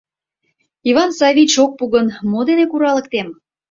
Иван Саввич ок пу гын, мо дене куралыктем?